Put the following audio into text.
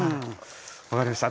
分かりました。